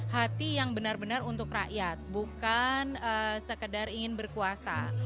hati yang benar benar untuk rakyat bukan sekedar ingin berkuasa